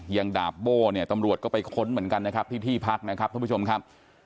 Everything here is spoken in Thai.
ดาบโบ้เนี่ยตำรวจก็ไปค้นเหมือนกันนะครับที่ที่พักนะครับท่านผู้ชมครับ